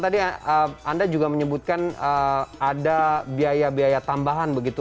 tadi anda juga menyebutkan ada biaya biaya tambahan begitu